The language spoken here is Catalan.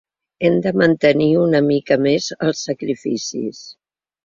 Hem de mantenir una mica més els sacrificis.